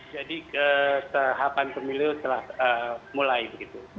jadi kesehatan pemilu telah mulai begitu